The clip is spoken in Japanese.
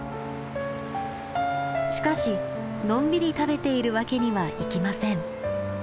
しかしのんびり食べているわけにはいきません。